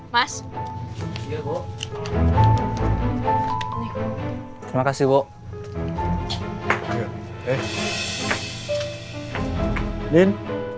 kok gak dihabisin